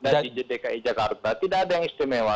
dan di dki jakarta tidak ada yang istimewa